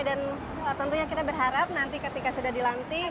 dan tentunya kita berharap nanti ketika sudah dilantik